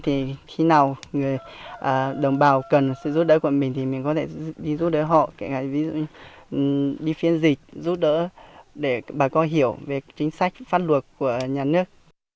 thì khi nào người đồng bào cần sự giúp đỡ của mình thì mình có thể đi giúp đỡ họ kể cả ví dụ như đi phiên dịch giúp đỡ để bà con hiểu về chính sách pháp luật của nhà nước